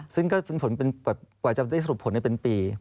ซึ่งก็เป็นผลเป็นแบบกว่าจะได้สรุปผลให้เป็นปี